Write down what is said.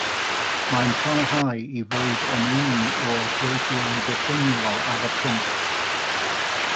Mae'n parhau i fod yn un o'r gweithiau diffiniol ar y pwnc.